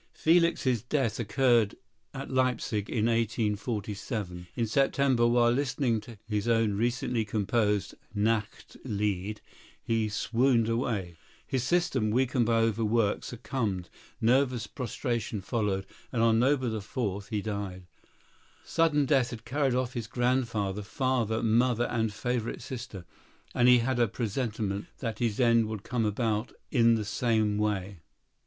Felix's death occurred at Leipsic in 1847. In September, while listening to his own recently composed "Nacht Lied" he swooned away. His system, weakened by overwork, succumbed, nervous prostration followed, and on November 4 he died. Sudden death had carried off his grandfather, father, mother and favorite sister; and he had a presentiment that his end would come about in the same way.